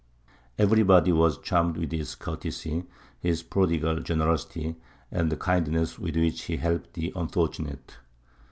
Everybody was charmed with his courtesy, his prodigal generosity, and the kindness with which he helped the unfortunate.